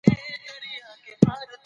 ماشوم له سهاره راهیسې تمرین کوي.